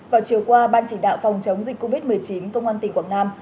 vào chiều qua ban chỉ đạo phòng chống dịch covid một mươi chín công an tỉnh quảng nam